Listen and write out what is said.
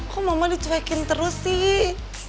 kok mama dicuekin terus sih